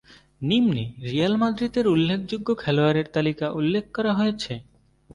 নিম্নে রিয়াল মাদ্রিদের উল্লেখযোগ্য খেলোয়াড়ের তালিকা উল্লেখ করা হয়েছে।